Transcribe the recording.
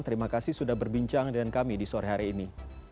terima kasih sudah berbincang dengan kami di sore hari ini